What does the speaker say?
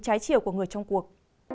trái chiều của người trong cuộc